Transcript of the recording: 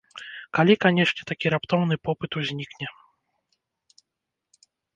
Калі, канешне, такі раптоўны попыт узнікне.